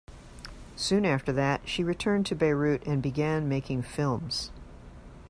Soon after that she returned to Beirut and began making films.